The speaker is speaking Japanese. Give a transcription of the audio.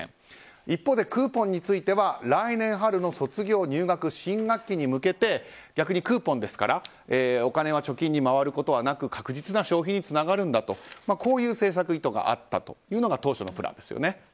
一方でクーポンについては来年春の卒業、入学新学期に向けて逆にクーポンですからお金が貯金に回ることはなく確実な消費につながるんだとこういう政策意図があったというのが当初のプランですよね。